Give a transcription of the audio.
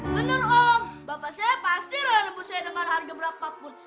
bener om bapak saya pasti renung bu saya dengan harga berapapun